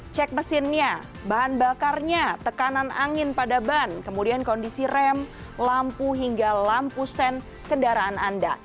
cek mesinnya bahan bakarnya tekanan angin pada ban kemudian kondisi rem lampu hingga lampu sen kendaraan anda